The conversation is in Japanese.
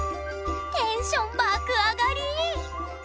テンション爆上がり！